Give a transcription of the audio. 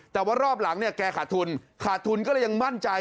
แต่ว่ารอบหลังเนี่ยแกขาดทุนขาดทุนก็เลยยังมั่นใจ